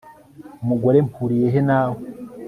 mugore mpuriye he nawe